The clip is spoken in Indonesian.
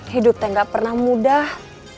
hidup saya nggak pernah mudah